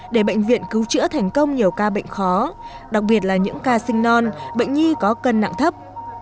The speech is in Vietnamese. để bệnh viện cứu chữa thành công nhiều ca bệnh khó đặc biệt là những ca sinh non bệnh nhi có cân nặng thấp